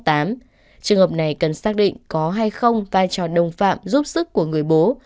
trường hợp này cần xác định có hay không vai trò đồng phạm giúp sức của người bố